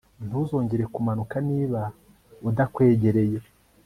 ntuzongere kumanuka niba udakwegereye